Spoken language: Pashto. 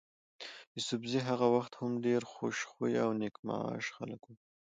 يوسفزي هغه وخت هم ډېر خوش خویه او نېک معاش خلک ول.